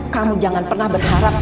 kamu jangan pernah berharap